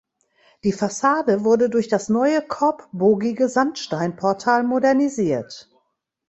Die Fassade wurde durch das neue korbbogige Sandsteinportal modernisiert.